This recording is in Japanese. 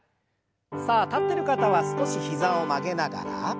さあ立ってる方は少し膝を曲げながら。